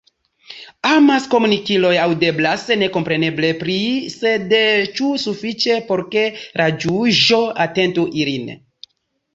Amaskomunikiloj “aŭdeblas” nekompareble pli, sed ĉu sufiĉe por ke la ĵuĝo atentu ilin?